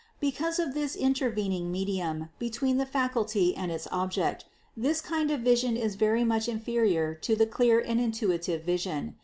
Because of this intervening medium between the faculty and its object, this kind of vision is very much inferior to the clear and intuitive vision.